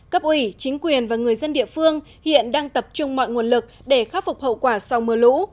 cấp ủy chính quyền và người dân địa phương hiện đang tập trung mọi nguồn lực để khắc phục hậu quả sau mưa lũ